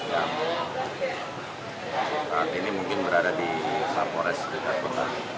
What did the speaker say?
yang saat ini mungkin berada di sapores dekat kota